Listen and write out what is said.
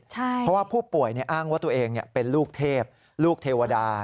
เพราะว่าผู้ป่วยอ้างว่าตัวเองเป็นลูกเทพลูกเทวดา